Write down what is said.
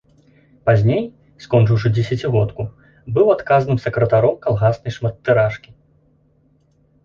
Пазней, скончыўшы дзесяцігодку, быў адказным сакратаром калгаснай шматтыражкі.